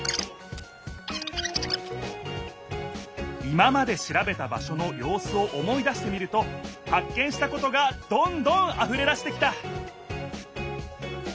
今までしらべた場所のようすを思い出してみるとはっ見したことがどんどんあふれだしてきた！